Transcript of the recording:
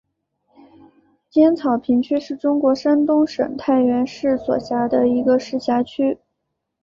尖草坪区是中国山西省太原市所辖的一个市辖区。